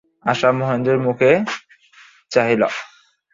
আশা মহেন্দ্রের মুখে চাহিল।